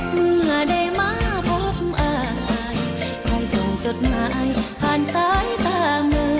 เมื่อได้มาพบอายใครส่งจดหมายผ่านซ้ายตามือ